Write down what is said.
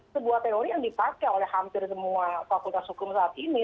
sebuah teori yang dipakai oleh hampir semua fakultas hukum saat ini